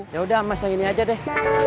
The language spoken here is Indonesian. yaudah mas yang ini aja deh